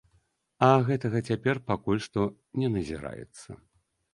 А гэтага цяпер пакуль што не назіраецца.